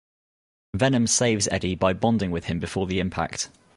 Venom saves Eddie by bonding with him before the impact.